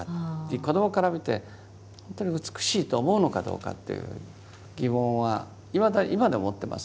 子どもから見てほんとに美しいと思うのかどうかという疑問は今でも持ってます。